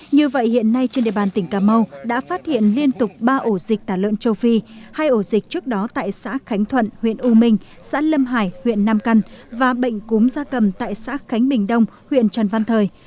như vậy hiện nay trên địa bàn tỉnh cà mau đã phát hiện liên tục ba ổ dịch tả lợn châu phi hai ổ dịch trước đó tại xã khánh thuận huyện u minh xã lâm hải huyện nam căn và bệnh cúm gia cầm tại xã khánh bình đông huyện trần văn thời